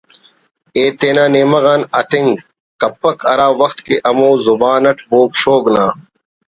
ءِ تینا نیمہ غا اتنگ کپک ہرا وخت کہ ہمو زبان اٹ بوگ شوگ نا